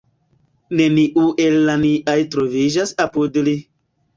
Neniu el la niaj troviĝas apud li.